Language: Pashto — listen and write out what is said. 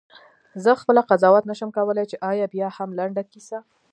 زه خپله قضاوت نه شم کولای چې آیا بیاهم لنډه کیسه؟ …